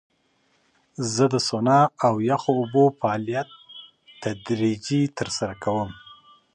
زه د سونا او یخو اوبو فعالیت تدریجي ترسره کوم.